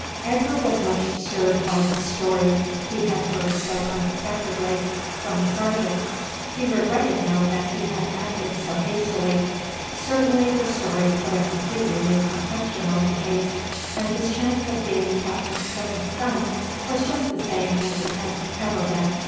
Edgar was much disturbed by the story he had heard so unexpectedly from the sergeant. He regretted now that he had acted so hastily. Certainly the story put a completely new complexion on the case, and his chance of being Captain Clinton's son was just the same as it had ever been.